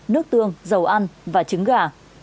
nước tương dầu ăn và trứng gà